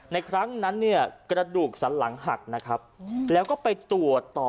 ครั้งนั้นเนี่ยกระดูกสันหลังหักนะครับแล้วก็ไปตรวจต่อ